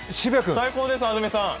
最高です、安住さん。